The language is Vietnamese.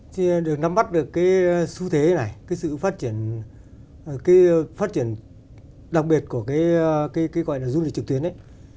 thì được nắm bắt được cái xu thế này cái sự phát triển đặc biệt của cái gọi là du lịch trực tuyến ấy